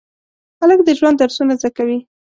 هلک د ژونده درسونه زده کوي.